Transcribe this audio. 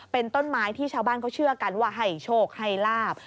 เป็นต้นไม้ที่ชาวบ้านเขาเชื่อกันว่าให้โชคให้ลาบ